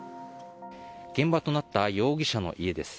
現場となった容疑者の家です。